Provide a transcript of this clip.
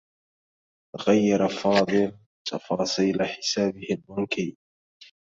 غيّر فاضل تفاصيل حسابه البنكي.